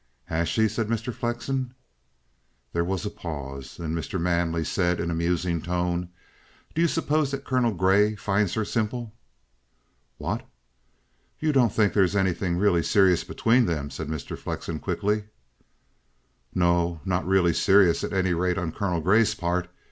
"Has she?" said Mr. Flexen. There was a pause. Then Mr. Manley said in a musing tone: "Do you suppose that Colonel Grey finds her simple?" "What? You don't think that there is really anything serious between them?" said Mr. Flexen quickly. "No, not really serious at any rate, on Colonel Grey's part.